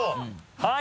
はい。